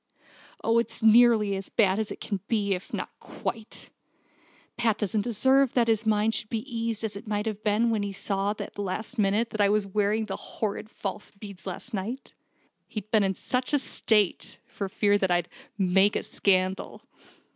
Oh, it's all nearly as bad as it can be, if not quite! Pat doesn't deserve that his mind should be eased as it must have been when he saw at the last minute that I was wearing the horrid false beads last night. He'd been in such a state, for fear I'd 'make a scandal!'